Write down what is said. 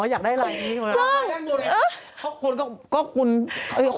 อ๋ออยากได้ไลน์อย่างนี้